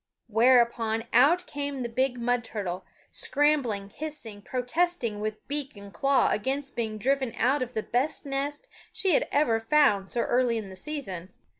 Whereupon out came the big mud turtle, scrambling, hissing, protesting with beak and claw against being driven out of the best nest she had ever found so early in the season.